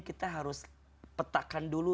kita harus petakan dulu